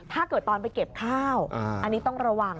ถ้าเกิดตอนไปเก็บข้าวอันนี้ต้องระวัง